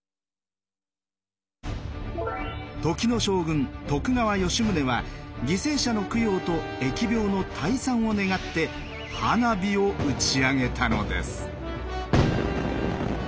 時の将軍徳川吉宗は犠牲者の供養と疫病の退散を願って花火を打ち上げたのです。